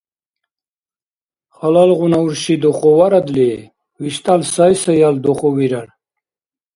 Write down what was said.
Халалгъуна урши духуварадли, виштӀал сайсаял духувирар.